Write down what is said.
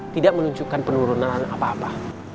tidak menunjukkan penurunan apa apa